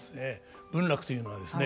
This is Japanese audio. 文楽というのはですね